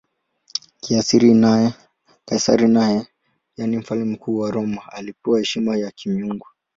Kaisari naye, yaani Mfalme Mkuu wa Roma, alipewa heshima ya kimungu.